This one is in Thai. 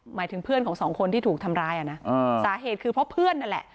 หมายถึงเพื่อนของสองคนที่ถูกทำร้ายอ่ะนะสาเหตุคือเพราะเพื่อนนั่นแหละ